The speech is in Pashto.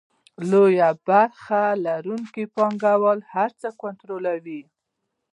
لویه برخه لرونکي پانګوال هر څه کنټرولوي